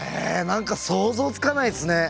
何か想像つかないですね。